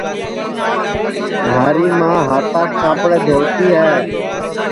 مھاری ماں ہاتاس کاپڑے دھؤتی ہے